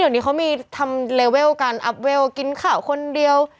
ดังนี้เขามีทำระเวลการอัพเวลกินข่าวคนเดียว